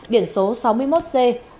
biển số sáu mươi một c bốn trăm năm mươi